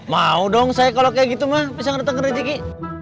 mau dong saya kalau kayak gitu mah bisa datang ke rezeki